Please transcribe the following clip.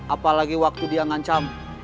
apalagi waktu dia ngancam